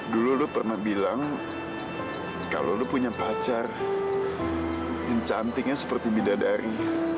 dulu lu pernah bilang kalau lo punya pacar yang cantiknya seperti bidadari